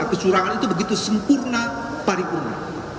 kecurangan itu begitu sempurna paripurna